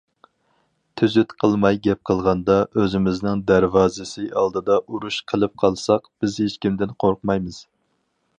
تۈزۈت قىلماي گەپ قىلغاندا، ئۆزىمىزنىڭ دەرۋازىسى ئالدىدا ئۇرۇش قىلىپ قالساق بىز ھېچكىمدىن قورقمايمىز.